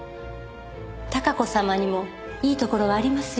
孝子様にもいいところはありますよ。